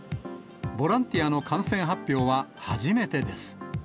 ボランティアの感染発表は初めてです。